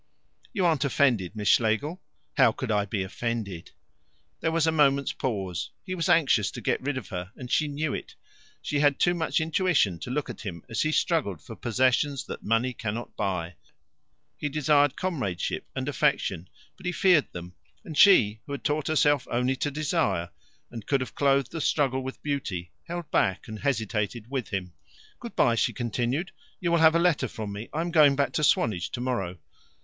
"You aren't offended, Miss Schlegel?" "How could I be offended?" There was a moment's pause. He was anxious to get rid of her, and she knew it. She had too much intuition to look at him as he struggled for possessions that money cannot buy. He desired comradeship and affection, but he feared them, and she, who had taught herself only to desire, and could have clothed the struggle with beauty, held back, and hesitated with him. "Good bye," she continued. "You will have a letter from me I am going back to Swanage tomorrow.